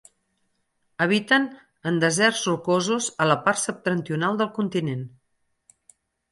Habiten en deserts rocosos a la part septentrional del continent.